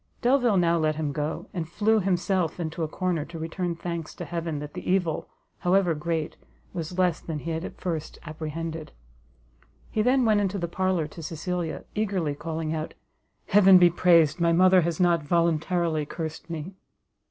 Delvile now let him go, and flew himself into a corner to return thanks to heaven that the evil, however great, was less than he had at first apprehended. He then went into the parlour to Cecilia, eagerly calling out, "Heaven be praised, my mother has not voluntarily cursed me!"